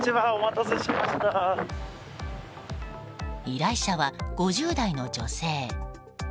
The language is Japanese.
依頼者は５０代の女性。